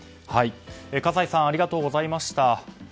葛西さんありがとうございました。